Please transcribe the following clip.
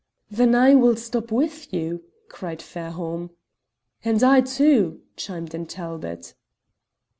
"Then I will stop with you," cried Fairholme. "And I too," chimed in Talbot.